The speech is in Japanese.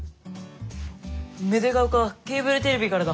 芽出ヶ丘ケーブルテレビからだ。